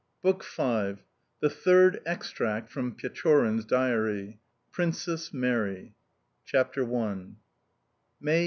BOOK V THE THIRD EXTRACT FROM PECHORIN'S DIARY PRINCESS MARY CHAPTER I. 11th May.